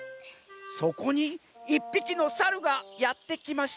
「そこにいっぴきのサルがやってきました」。